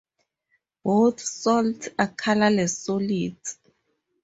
Both salts are colourless solids.